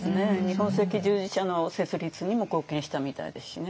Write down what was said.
日本赤十字社の設立にも貢献したみたいですしね。